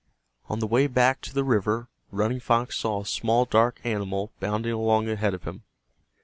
On the way back to the river Running Fox saw a small dark animal bounding along ahead of him.